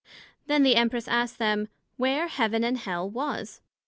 Then the Empress asked them, Where Heaven and Hell was?